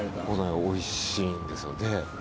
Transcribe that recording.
おいしいんですよ。